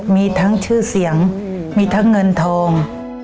มีทั้งชื่อเสียงมีทั้งเงินทอง